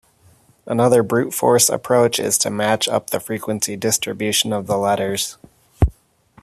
Another brute force approach is to match up the frequency distribution of the letters.